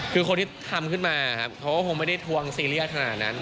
คือคนที่ทำขึ้นมาครับเขาก็คงไม่ได้ทวงซีเรียสขนาดนั้น